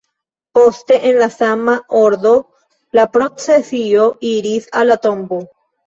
Poste en la sama ordo la procesio iris al la tombo.